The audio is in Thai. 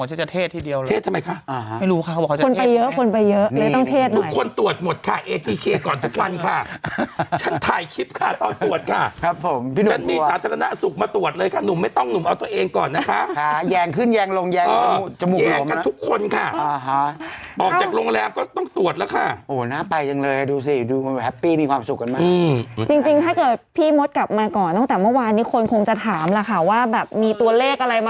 นุ่มพี่นุ่มพี่นุ่มพี่นุ่มพี่นุ่มพี่นุ่มพี่นุ่มพี่นุ่มพี่นุ่มพี่นุ่มพี่นุ่มพี่นุ่มพี่นุ่มพี่นุ่มพี่นุ่มพี่นุ่มพี่นุ่มพี่นุ่มพี่นุ่มพี่นุ่มพี่นุ่มพี่นุ่มพี่นุ่มพี่นุ่มพี่นุ่มพี่นุ่มพี่นุ่มพี่นุ่มพี่นุ่มพี่นุ่มพี่นุ่มพี่นุ่ม